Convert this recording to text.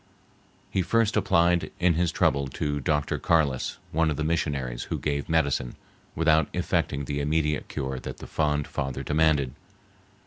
He first applied in his trouble to Dr. Carliss, one of the missionaries, who gave medicine, without effecting the immediate cure that the fond father demanded.